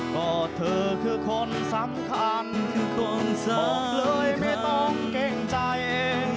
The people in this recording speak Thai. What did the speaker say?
เพราะเธอคือคนสำคัญบอกเลยไม่ต้องเก่งใจเอง